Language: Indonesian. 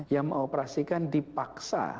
yang mengoperasikan dipaksa